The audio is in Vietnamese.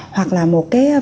hoặc là một cái